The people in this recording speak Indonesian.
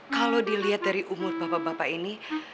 kalau dilihat dari umur bapak bapak ini